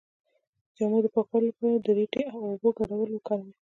د جامو د پاکوالي لپاره د ریټې او اوبو ګډول وکاروئ